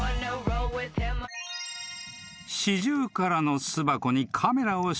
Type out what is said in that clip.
［シジュウカラの巣箱にカメラを仕掛けた］